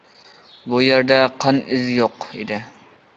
بۇ يەردە قان ئىزى يوق ئىدى.